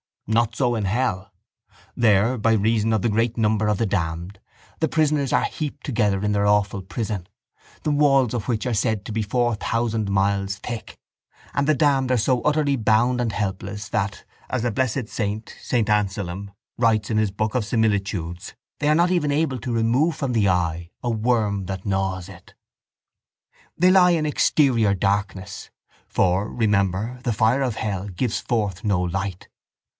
Not so in hell. There, by reason of the great number of the damned, the prisoners are heaped together in their awful prison, the walls of which are said to be four thousand miles thick: and the damned are so utterly bound and helpless that, as a blessed saint, saint Anselm, writes in his book on similitudes, they are not even able to remove from the eye a worm that gnaws it. —They lie in exterior darkness. For, remember, the fire of hell gives forth no light.